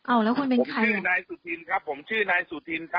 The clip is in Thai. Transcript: อ้าวแล้วคุณเป็นใคร